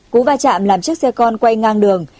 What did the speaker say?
cú va chạm làm chiếc xe con quay ngang đường